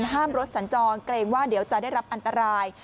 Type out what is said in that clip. ห้ามรถสัญจรเกรงว่าเดี๋ยวจะได้รับอันตราย